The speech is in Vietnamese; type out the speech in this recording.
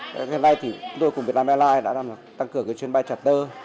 ngày nay thì tôi cùng việt nam airlines đã tăng cường cái chuyến bay charter